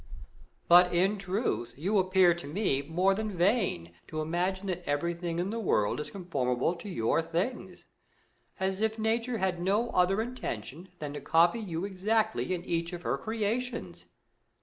But in truth, you appear to me more than vain to imagine that every thing in the world is conformable to your things ; as if Nature had no other intention than to copy you exactly in each of her creations.